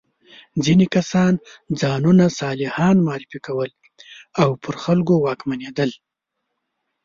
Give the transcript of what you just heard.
ځینې کسان ځانونه صالحان معرفي کول او پر خلکو واکمنېدل.